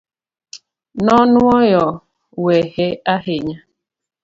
Nonuoyo wehe ahinya